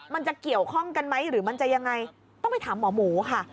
มันจะเกี่ยวข้องกันไหมหรือมันจะยังไงต้องไปถามหมอหมูค่ะ